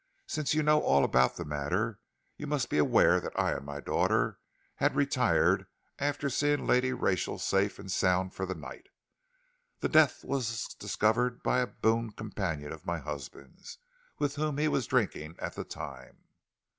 "Since you know all about the matter, you must be aware that I and my daughter had retired after seeing Lady Rachel safe and sound for the night. The death was discovered by a boon companion of my husband's, with whom he was drinking at the time."